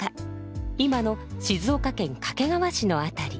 今の静岡県掛川市の辺り。